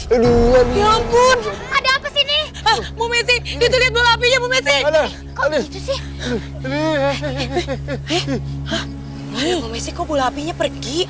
aduh aduh aduh ada apa sini